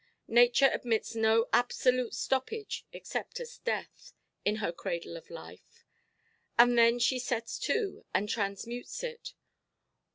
Nature admits no absolute stoppage, except as death, in her cradle of life; and then she sets to, and transmutes it.